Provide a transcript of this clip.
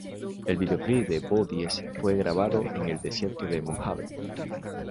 El videoclip de "Bodies" fue grabado en el Desierto de Mojave.